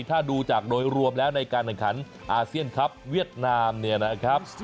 ถ้าดูจากโดยรวมแล้วในการแข่งขันอาเซียนครับเวียดนามเนี่ยนะครับ